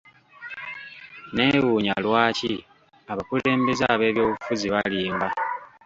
Neewuunya lwaki abakulembeze ab'ebyobufuzi balimba.